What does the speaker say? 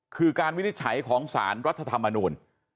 คือการวินิจฉัยของสารรัฐธรรมนูล